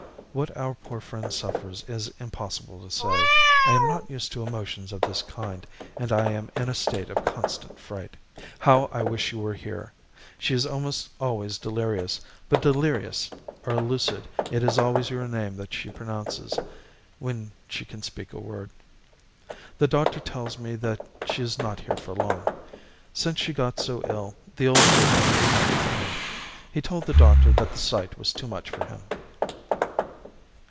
What our poor friend suffers is impossible to say. I am not used to emotions of this kind, and I am in a state of constant fright. How I wish you were here! She is almost always delirious; but delirious or lucid, it is always your name that she pronounces, when she can speak a word. The doctor tells me that she is not here for long. Since she got so ill the old duke has not returned. He told the doctor that the sight was too much for him.